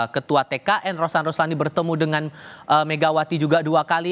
ketua tkn rosan roslani bertemu dengan megawati juga dua kali